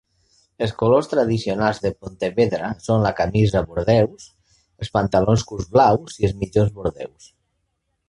Els colors tradicionals de Pontevedra són la camisa bordeus, els pantalons curts blaus i els mitjons bordeus.